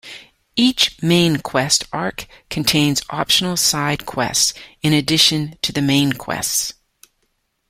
Each main quest arc contains optional side-quests in addition to the main quests.